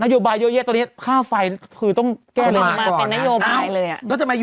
นโยอบายเยอะตอนนี้ค่าไฟคือต้องแก้เลย